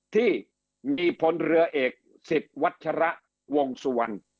ที่มีพลเรือเอก๑๐วัชฌาระวงสุวรรณ